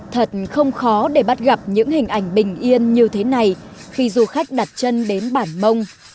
thật không khó để bắt gặp những hình ảnh bình yên như thế này khi du khách đặt chân đến bản mông